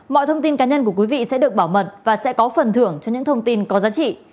mọi thông tin cá nhân của quý vị sẽ được bảo mật và sẽ có phần thưởng cho những thông tin có giá trị